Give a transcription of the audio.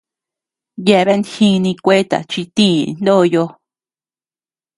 Yeabean jini kueta chi tiï ndoyo.